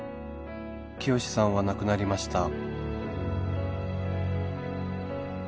潔さんは亡くなりました